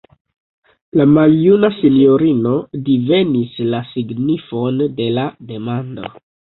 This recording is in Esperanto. La maljuna sinjorino divenis la signifon de la demando.